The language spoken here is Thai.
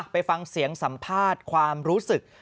ไปฟังเสียงสัมภาษณ์ความรู้สึก